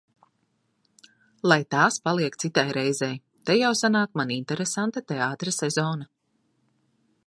Lai tās paliek citai reizei. Te jau sanāk man interesanta teātra sezona.